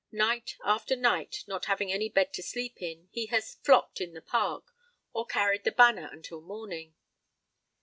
Night after night, not having any bed to sleep in, he has 'flopped' in the park or 'carried the banner' until morning."